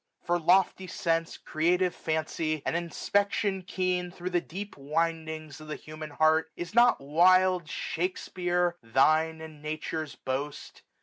For lofty sense. Creative fancy, and inspection keen Thro* the deep windings of the human heart, 1564 Is not wild Shakespeare thine and Nature's boast?